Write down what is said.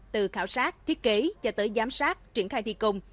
từ khảo sát thiết kế cho tới giám sát triển khai thi công